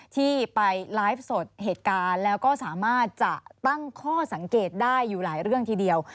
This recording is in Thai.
ที่ไปไลฟ์สดเหตุการณ์แล้วก็สามารถจะตั้งข้อสังเกตได้อยู่หลายเรื่องทีเดียว